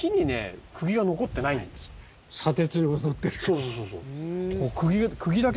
そうそうそうそう。